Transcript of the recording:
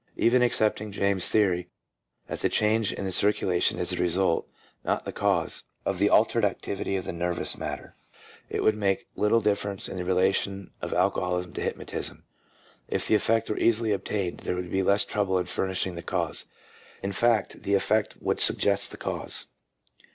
Even accepting James's theory that the change in the circulation is the result, not the cause, of the altered activity of the nervous matter, it would make little difference in the relation of alcoholism to hypnotism; if the effect were easily obtained there would be less trouble in furnishing the cause — in fact, the effect would suggest the cause.